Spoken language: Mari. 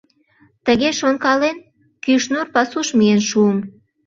Тыге шонкален, Кӱшнур пасуш миен шуым.